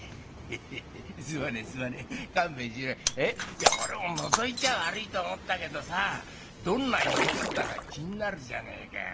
いや俺ものぞいちゃ悪いと思ったけどさどんな様子だか気になるじゃねえか。